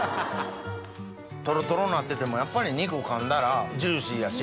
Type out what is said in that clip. とろとろなっててもやっぱり肉噛んだらジューシーやし。